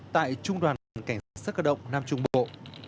tại trung đoàn phòng cảnh sát cơ động nam trung bộ